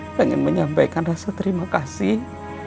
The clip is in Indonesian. saya ingin menyampaikan rasa terima kasih